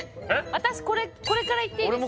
私これからいっていいですか？